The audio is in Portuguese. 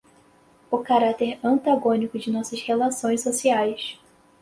o caráter antagônico de nossas relações sociais